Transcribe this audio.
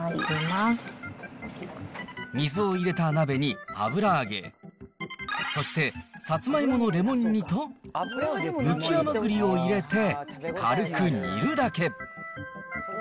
水を入れた鍋に、油揚げ、そしてサツマイモのレモン煮とむき甘ぐりを入れて、軽く煮るだけ。